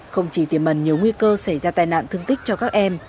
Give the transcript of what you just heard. không chỉ tiềm mẩn nhiều nguy cơ xảy ra tai nạn thương tích cho các em